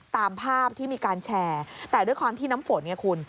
ตามภาพที่มีการแชร์แต่ด้วยความที่น้ำฝน